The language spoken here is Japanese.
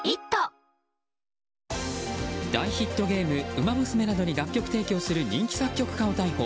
大ヒットゲーム「ウマ娘」などに楽曲提供する人気作曲家を逮捕。